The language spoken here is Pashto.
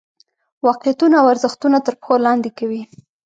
واقعیتونه او ارزښتونه تر پښو لاندې کوي.